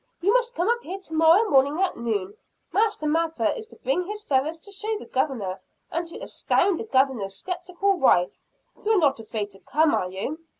"You must come up here tomorrow morning at noon. Master Mather is to bring his feathers to show the Governor, and to astound the Governor's skeptical wife. You are not afraid to come, are you?"